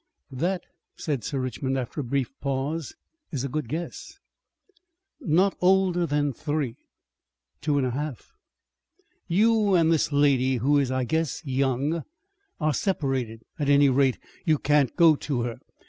"That," said Sir Richmond after a brief pause, "is a good guess." "Not older than three." "Two years and a half." "You and this lady who is, I guess, young, are separated. At any rate, you can't go to her.